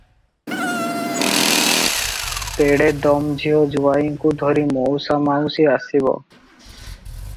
ତଡ଼େଦମ୍ ଝିଅ ଜୁଆଇଁଙ୍କୁ ଧରି ମଉସା ମାଉସୀ ଆସିବ ।